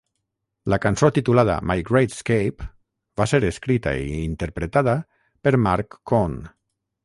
La cançó titulada "My Great Escape" va ser escrita i interpretada per Marc Cohn.